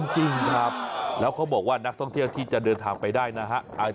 จริงครับแล้วเขาบอกว่านักท่องเที่ยวที่จะเดินทางไปได้นะฮะ